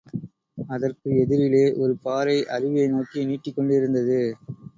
அதற்கு எதிரிலே ஒரு பாறை அருவியை நோக்கி நீட்டிக்கொண்டிருந்தது.